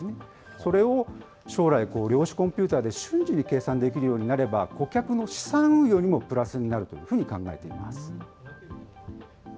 それを将来、量子コンピューターで計算できるようになれば、顧客の資産運用にもプラスになるというふうに考えているんです。